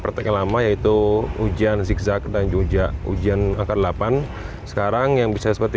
praktek yang lama yaitu ujian zigzag dan juga ujian angka delapan sekarang yang bisa seperti